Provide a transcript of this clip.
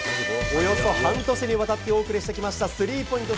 およそ半年にわたってお送りしてきました、スリーポイント